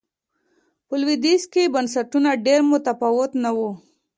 په لوېدیځ کې بنسټونه ډېر متفاوت نه و.